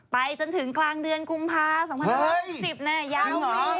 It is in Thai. ไปจนถึงกลางเดือนกรุงภาคม๒๐๑๐แน่ยาวนี่